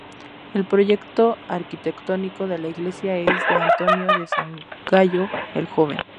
El proyecto arquitectónico de la iglesia es de Antonio da Sangallo el Joven.